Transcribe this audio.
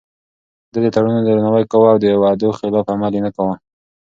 ده د تړونونو درناوی کاوه او د وعدو خلاف عمل يې نه کاوه.